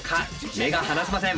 目が離せません。